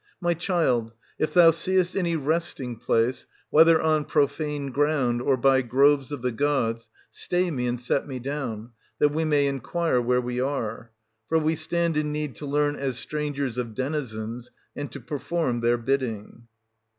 — My child, if thou seest any resting place, whether on profane ground or by groves lo of the gods, stay me and set me down, that we may inquire where we are : for we stand in need to learn as strangers of denizens, and to perform their bidding.